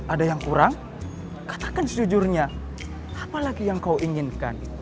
ada yang kurang katakan sejujurnya apalagi yang kau inginkan